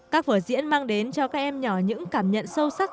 các vở diễn mang đến cho các em nhỏ những cảm nhận sâu sắc